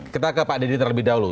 kita ke pak deddy terlebih dahulu